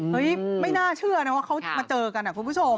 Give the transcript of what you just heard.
ไม่น่าเชื่อนะว่าเขามาเจอกันคุณผู้ชม